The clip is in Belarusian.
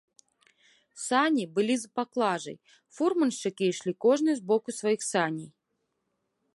Сані былі з паклажай, фурманшчыкі ішлі кожны з боку сваіх саней.